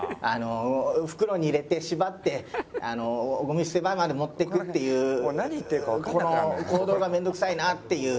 袋に入れて縛ってゴミ捨て場まで持っていくっていうこの行動が面倒くさいなっていう。